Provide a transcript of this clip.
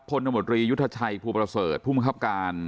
ตมตรียุทธชัยภูประเสริฐผู้มังคับการ